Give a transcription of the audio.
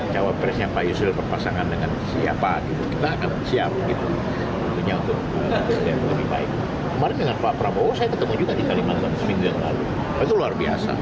jawab presnya pak yusril perpasangan dengan siapa kita akan siap untuk berkesempatan lebih baik